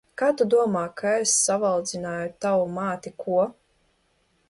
Kā tu domā, kā es savaldzināju tavu māti, ko?